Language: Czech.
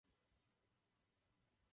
Preferoval živá vystoupení před nahrávkami.